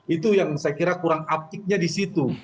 itu yang saya kira kurang aptiknya di situ